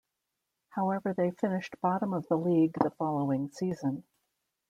However, they finished bottom of the league the following season.